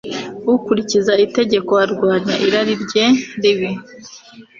ukurikiza itegeko, arwanya irari rye ribi